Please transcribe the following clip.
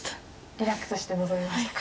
リラックスして臨めましたか。